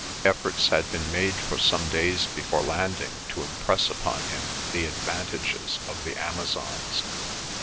Efforts had been made for some days before landing to impress upon him the advantages of the Amazons.